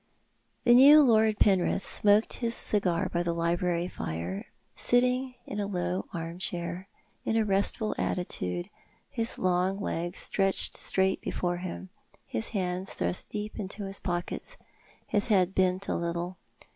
The new Lord Penrith smoked his cigar by the library fire, sitting in a low armchair, in a restful attitude, his long legs stretched straight before him, his hands thrust deep into his pockets, his head bent a little.